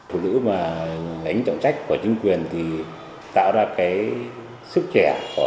phụ nữ mà đánh trọng trách của chính quyền thì tạo ra cái sức trẻ trong công tác cán bộ thì cái công việc người ta sẽ hoàn thành tốt như vụ giao